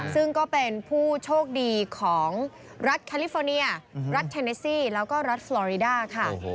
ซึ่งก็เป็นผู้โชคดีของรัฐแคลิฟอร์เนียรัฐเทเนซี่แล้วก็รัฐฟลอริดาค่ะ